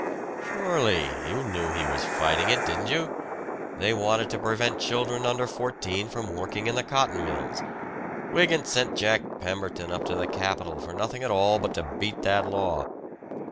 "Surely. You knew he was fighting it, didn't you? They wanted to prevent children under fourteen from working in the cotton mills. Wygant sent Jack Pemberton up to the Capital for nothing at all but to beat that law."